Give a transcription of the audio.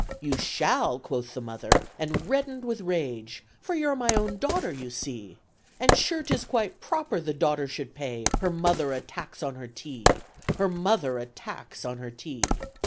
"You shall," quoth the mother, and reddened with rage, "For you're my own daughter, you see. And sure 'tis quite proper the daughter should pay Her mother a tax on her tea, Her mother a tax on her tea."